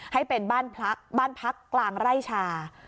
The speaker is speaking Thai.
ให้เป็นบ้านพักกลางไร่ชา